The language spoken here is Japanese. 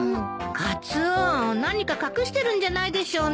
カツオ何か隠してるんじゃないでしょうね。